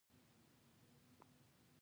د ساغر ولسوالۍ لیرې ده